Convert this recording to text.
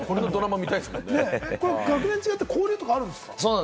これ学年が違っても交流とかってあるんですか？